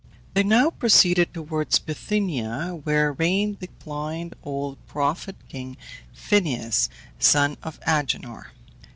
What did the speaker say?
They now proceeded towards Bithynia, where reigned the blind old prophet king Phineus, son of Agenor.